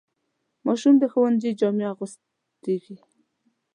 ماشوم د ښوونځي جامې اغوستېږي.